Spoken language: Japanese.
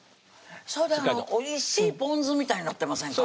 それでおいしいぽん酢みたいになってませんか？